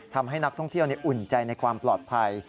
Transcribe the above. ทำให้นักท่องเที่ยวอุ่นใจในความปลอดภัย